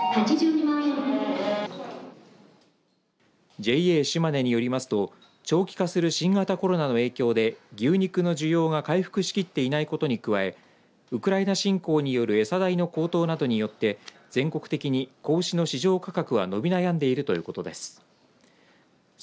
ＪＡしまねによりますと長期化する新型コロナの影響で牛肉の需要が回復しきっていないことに加えウクライナ侵攻による餌代の高騰などによって全国的に子牛の市場価格は伸び悩んでいるということです。